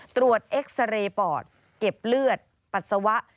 เอ็กซาเรย์ปอดเก็บเลือดปัสสาวะ